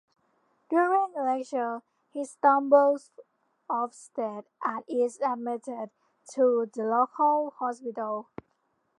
During a lecture, he stumbles offstage and is admitted to the local hospital.